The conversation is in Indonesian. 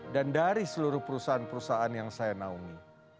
dan dari seluruh perusahaan perusahaan yang saya naungi